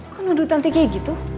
kenapa nuduh tanti kayak gitu